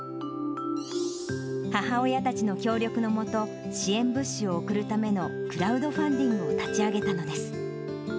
母親たちの協力のもと、支援物資を送るためのクラウドファンディングを立ち上げたのです。